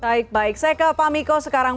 sekarang pamiko kalau melihat ini apa pendapat anda